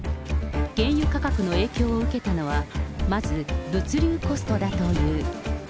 原油価格の影響を受けたのは、まず物流コストだという。